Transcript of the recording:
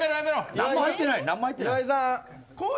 何も入ってない。